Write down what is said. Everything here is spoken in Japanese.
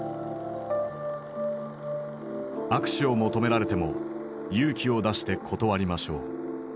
「握手を求められても勇気を出して断りましょう。